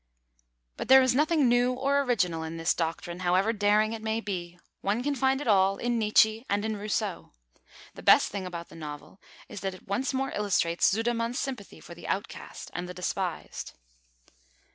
'" But there is nothing new or original in this doctrine, however daring it may be. One can find it all in Nietzsche and in Rousseau. The best thing about the novel is that it once more illustrates Sudermann's sympathy for the outcast and the despised.